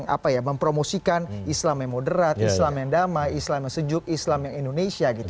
apa ya mempromosikan islam yang moderat islam yang damai islam yang sejuk islam yang indonesia gitu